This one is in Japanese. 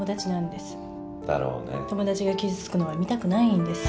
友達が傷つくのは見たくないんです。